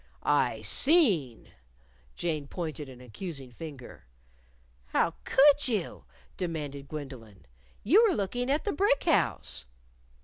_" "I seen." Jane pointed an accusing finger. "How could you?" demanded Gwendolyn. "You were looking at the brick house."